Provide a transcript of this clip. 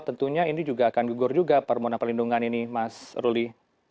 tentunya ini juga akan gugur juga permohonan perlindungan ini mas ruli